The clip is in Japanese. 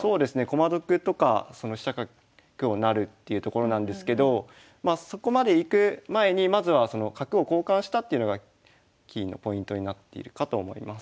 駒得とかその飛車角を成るっていうところなんですけどまあそこまでいく前にまずはその角を交換したっていうのがキーのポイントになっているかと思います。